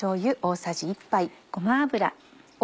ごま油。